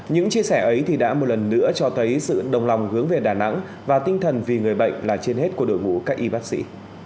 những chia sẻ ấy thì đã một lần nữa cho thấy sự đồng lòng hướng về đà nẵng và tinh thần vì người bệnh là trên hết của đội ngũ các y bác sĩ